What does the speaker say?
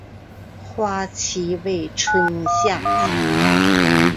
花期为春夏季。